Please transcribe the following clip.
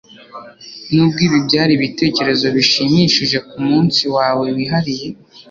nubwo ibi byari ibitekerezo bishimishije kumunsi wawe wihariye